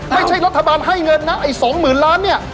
ไม่ใช่รัฐบาลให้เงินนะไอ้๒๐๐๐ล้านเนี่ย